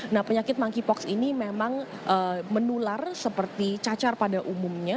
nah penyakit monkeypox ini memang menular seperti cacar pada umumnya